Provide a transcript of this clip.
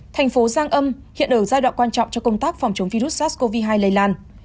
thành phố giang âm hiện ở giai đoạn quan trọng cho công tác phòng chống virus sars cov hai lây lan